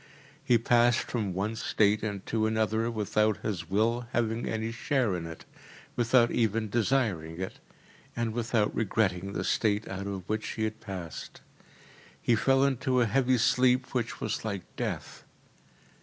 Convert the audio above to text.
He passed from one state into another without his will having any share in it, without even desiring it, and without regretting the state out of which he had passed. He fell into a heavy sleep which was like death.